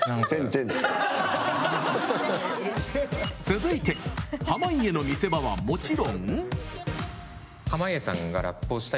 続いて、濱家の見せ場はもちろん。